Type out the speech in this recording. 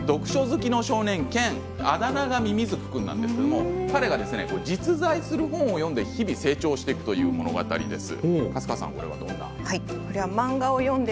読書好きの少年剣があだ名がミミズクくんというんですけど実在する本を読んで日々成長していくという物語です。